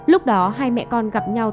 lúc đó hai mẹ con gặp nhau